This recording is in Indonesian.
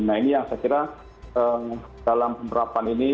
nah ini yang saya kira dalam penerapan ini